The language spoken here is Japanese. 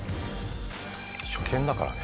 初見だからね。